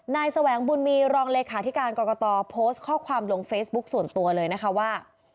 แสวงบุญมีรองเลขาธิการกรกตโพสต์ข้อความลงเฟซบุ๊คส่วนตัวเลยนะคะว่า